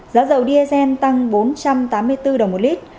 giá dầu diesel tăng bốn trăm tám mươi bốn đồng một lít